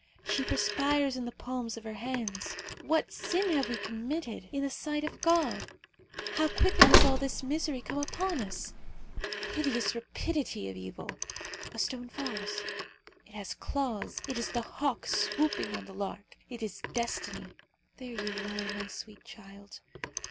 She perspires in the palms of her hands. What sin can we have committed in the sight of God? How quickly has all this misery come upon us! Hideous rapidity of evil! A stone falls. It has claws. It is the hawk swooping on the lark. It is destiny. There you lie, my sweet child!